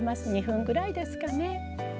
２分ぐらいですかね。